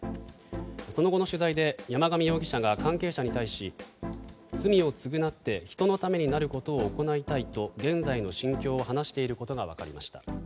その後の取材で山上容疑者が関係者に対し罪を償って人のためになることを行いたいと現在の心境を話していることがわかりました。